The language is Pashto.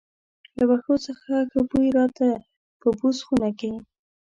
له وښو څخه ښه بوی راته، په بوس خونه کې.